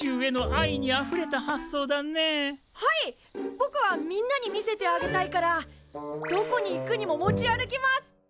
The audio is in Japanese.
ぼくはみんなに見せてあげたいからどこに行くにも持ち歩きます！